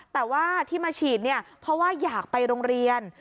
แต่ว่าที่มาฉีดเนี่ยเพราะว่าอยากไปโรงเรียน